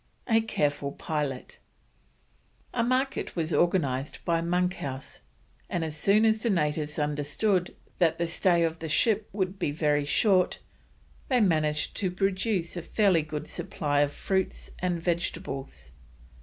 A CAREFUL PILOT. A market was organised by Monkhouse, and as soon as the natives understood that the stay of the ship would be very short, they managed to produce a fairly good supply of fruits and vegetables.